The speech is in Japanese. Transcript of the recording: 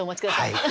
はい。